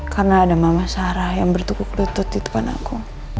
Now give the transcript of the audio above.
karena ada mama sarah yang bertuku kelutut di depan aku